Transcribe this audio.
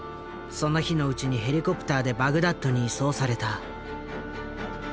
その日のうちにヘリコプターでバグダッドに移送された。